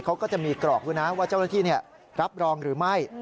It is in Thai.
เขาก็จะมีกรอกด้วยนะว่าเจ้าหน้าที่รับรองหรือไม่